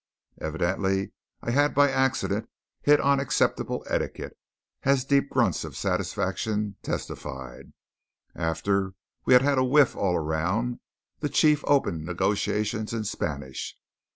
Evidently I had by accident hit on acceptable etiquette, as deep grunts of satisfaction testified. After we had had a whiff all around, the chief opened negotiations in Spanish.